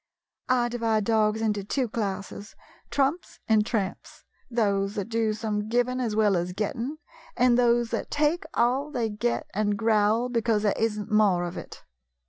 I divide dogs into two classes : trumps and tramps — those that do some giving as well as getting, and those that take all they get, and growl because there is n't more of it."